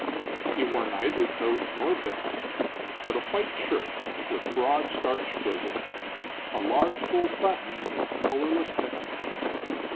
He wore neither coat nor vest, but a white shirt with broad starched bosom, a large gold button in its collarless neckband.